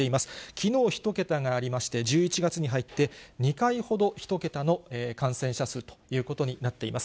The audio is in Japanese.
きのう１桁がありまして、１１月に入って２回ほど１桁の感染者数ということになっています。